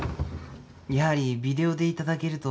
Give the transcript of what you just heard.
やはりビデオで頂けると。